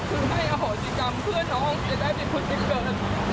คือให้อาห่อสิกรรมเพื่อนน้องจะได้ผิดพุทธนิดเกิน